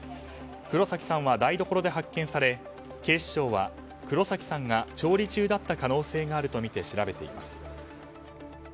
黒崎さんは台所で発見され警視庁は黒崎さんが調理中だった可能性があるとみて調べています。